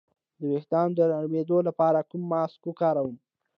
د ویښتو د نرمیدو لپاره کوم ماسک وکاروم؟